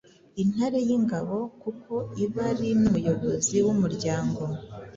intare y’ingabo kuko iba ari n’umuyobozi w’umuryango,